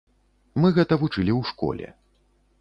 Мы гэта вучылі ў школе.